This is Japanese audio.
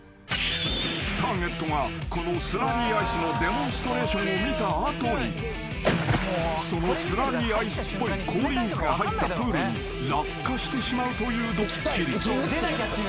［ターゲットがこのスラリーアイスのデモンストレーションを見た後にそのスラリーアイスっぽい氷水が入ったプールに落下してしまうというドッキリ］